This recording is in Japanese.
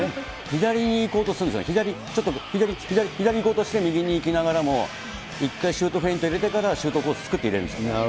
左に行こうとするんですよね、左、左に行こうとして、右に行きながらも、一回シュートフェイント入れて、シュートコース作って入れるんです。